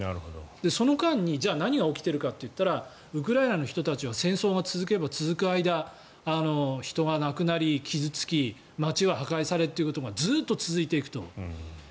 その間にじゃあ何が起きているかといったらウクライナの人たちは戦争が続けば続く間人が亡くなり、傷付き街は破壊されということがずっと続いていくと。